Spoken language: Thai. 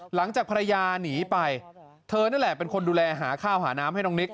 หลังจากภรรยาหนีไปเธอนั่นแหละเป็นคนดูแลหาข้าวหาน้ำให้น้องนิก